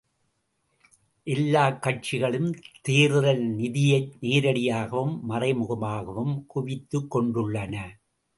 எல்லாக் கட்சிகளும் தேர்தல் நிதியை நேரடியாகவும், மறைமுகமாகவும் குவித்துக் கொண்டுள்ளன.